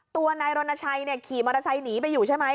ตัวนายรณชัยขี่มอเตอร์ไซค์หนีไปอยู่ใช่ไหม